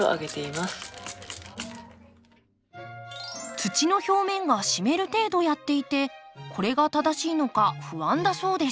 土の表面が湿る程度やっていてこれが正しいのか不安だそうです。